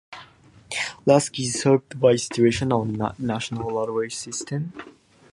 Likasi is served by a station on the national railway system.